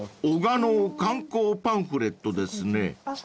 ［男鹿の観光パンフレットですね］